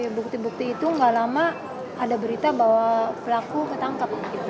bukti bukti itu nggak lama ada berita bahwa pelaku ketangkep